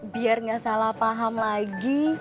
biar nggak salah paham lagi